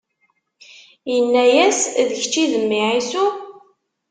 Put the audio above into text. Inna-yas: D kečč i d mmi Ɛisu?